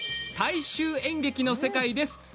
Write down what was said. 大衆演劇の世界です。